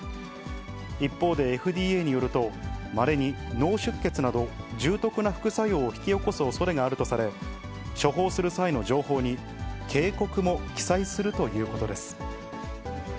一方でＦＤＡによると、まれに脳出血など、重篤な副作用を引き起こすおそれがあるとされ、処方する際の情報に警告も記載するということです。